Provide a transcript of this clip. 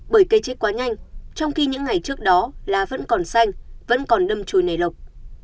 bởi cây chết quá nhanh trong khi những ngày trước đó lá vẫn còn xanh vẫn còn đâm trôi nề lộc